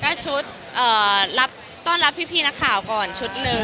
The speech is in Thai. ก็คลุปต้อนรับพี่นักข่าวก่อนชุด๑